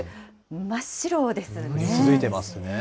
真っ白ですね。